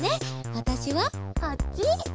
わたしはこっち。